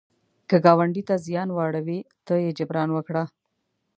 که ګاونډي ته زیان واړوي، ته یې جبران وکړه